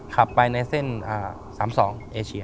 ขับไปในเส้น๓๒เอเชีย